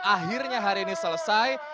akhirnya hari ini selesai